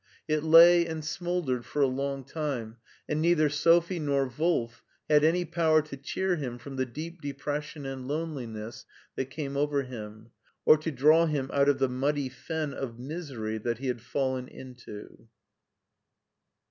It lay and smouldered for a long time, and neither Sophie nor Wolf had any power to cheer him from the deep de pression and loneliness that came over him, or to draw him out of the muddy fen of misery that he had fallen into.